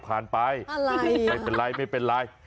อะไรอ่ะไม่เป็นไร